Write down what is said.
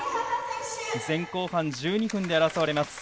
前後半１２分で争われます。